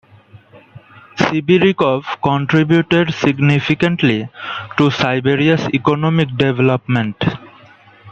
Sibiryakov contributed significantly to Siberia's economic development.